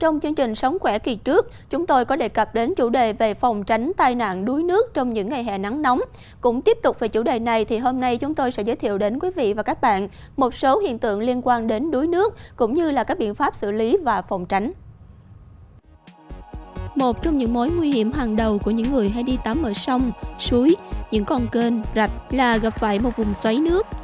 những con kênh rạch là gặp phải một vùng xoáy nước